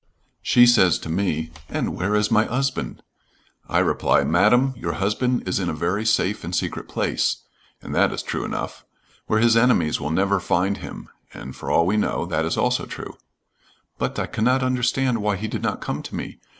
"She says to me, 'And where is my 'usband?' I reply, 'Madam, your husband is in a very safe and secret place,' and that is true enough 'where his enemies will never find him,' and for all we know that is also true. 'But I cannot understand why he did not come to me.